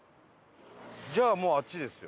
じゃあもうあっちですよ。